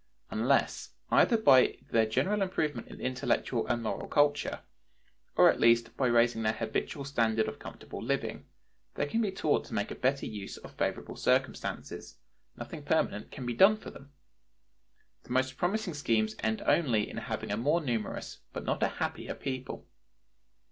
Unless, either by their general improvement in intellectual and moral culture, or at least by raising their habitual standard of comfortable living, they can be taught to make a better use of favorable circumstances, nothing permanent can be done for them; the most promising schemes end only in having a more numerous but not a happier people.